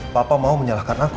papa mau menyalahkan aku